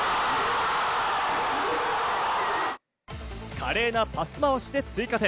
華麗なパス回しで追加点！